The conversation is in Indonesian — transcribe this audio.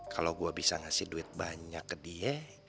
kalau gue bisa ngasih duit banyak ke dia